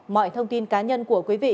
mọi thông tin cá nhân của quý vị